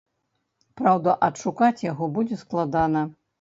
Праўда, адшукаць яго будзе складана.